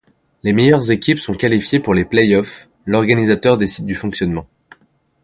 Les meilleures équipes sont qualifiées pour les play-offs, l'organisateur décide du fonctionnement.